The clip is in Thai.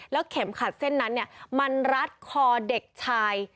แล้วเข็มขัดเส้นนั้นเนี่ยมันรัดคอเด็กชาย